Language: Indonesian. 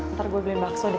ntar gue beli bakso deh